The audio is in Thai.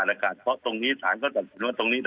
เพราะตรงนี้ศาลก็จะเห็นว่าตรงนี้